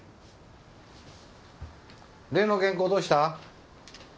例の原稿どうした？